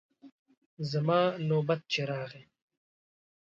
زما نوبت چې راغی.